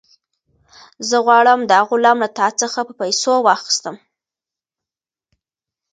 زه غواړم دا غلام له تا څخه په پیسو واخیستم.